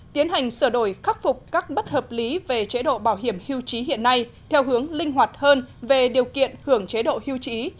tiến hành sửa đổi khắc phục các bất hợp lý về chế độ bảo hiểm hưu trí hiện nay theo hướng linh hoạt hơn về điều kiện hưởng chế độ hưu trí